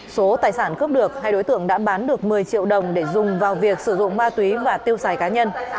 số tài sản cướp được hai đối tượng đã bán được một mươi triệu đồng để dùng vào việc sử dụng ma túy và tiêu xài cá nhân